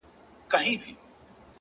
علم د انسان هویت بشپړوي!.